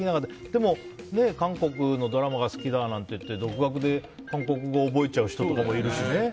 でも、韓国のドラマが好きだっていって独学で韓国語を覚えちゃう人とかもいるしね。